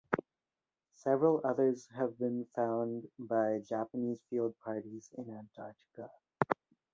Several others have been found by Japanese field parties in Antarctica.